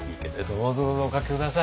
どうぞどうぞおかけ下さい。